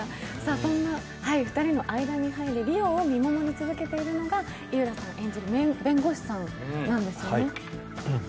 そんな２人の間に入り梨央を見守り続けているのが井浦さん演じる弁護士さんなんですよね？